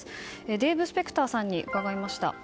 デーブ・スペクターさんに伺いました。